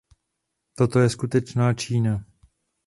Toto je skutečná Čína.